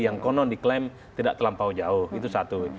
yang konon diklaim tidak terlampau jauh itu satu